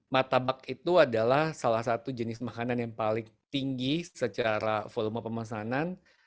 martabak itu adalah salah satu jenis makanan yang paling tinggi secara volume pemesanan